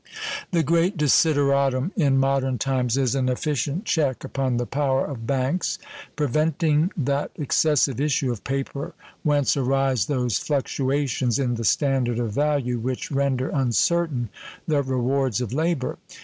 The great desideratum in modern times is an efficient check upon the power of banks, preventing that excessive issue of paper whence arise those fluctuations in the standard of value which render uncertain the rewards of labor.